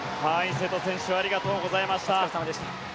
瀬戸選手ありがとうございました。